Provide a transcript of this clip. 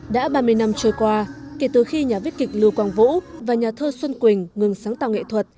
đã ba mươi năm trôi qua kể từ khi nhà viết kịch lưu quang vũ và nhà thơ xuân quỳnh ngừng sáng tạo nghệ thuật